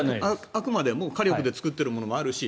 あくまで火力で作っているものもあるし